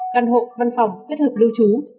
căn hộ văn phòng kết hợp lưu trú